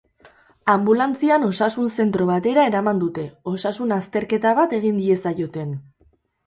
Anbulantzian osasun zentro batera eraman dute, osasun azterketa bat egin diezaioten.